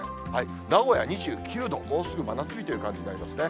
名古屋２９度、もうすぐ真夏日という感じになりますね。